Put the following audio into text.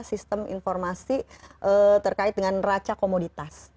sistem informasi terkait dengan raca komoditas